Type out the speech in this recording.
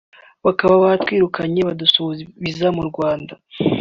bakaba batwirukanye badusubiza mu Rwanda